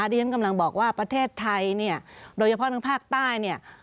ที่ฉันกำลังบอกว่าประเทศไทยเนี่ยโดยเฉพาะทางภาคใต้เนี่ย